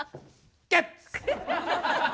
ゲッツ！